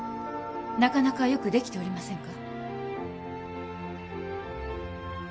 なかなかよくできておりませんか？